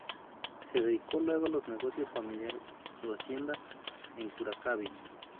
Se dedicó luego a los negocios familiares en su hacienda en Curacaví.